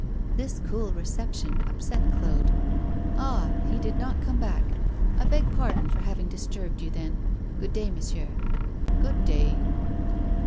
This cool reception upset Claude. 'Ah! he did not come back; I beg pardon for having disturbed you, then. Good day, monsieur.' 'Good day.